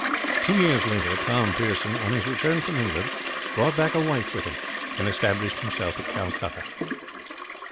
'" Two years later Tom Pearson, on his return from England, brought back a wife with him, and established himself at Calcutta.